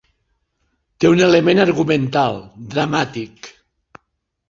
Té un element argumental, dramàtic.